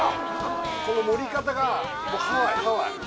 この盛り方がもうハワイハワイ